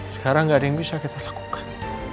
sekarang tidak ada yang bisa kita lakukan